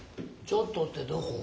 ちょっとってどこ。